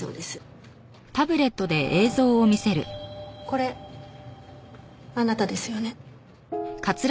これあなたですよね？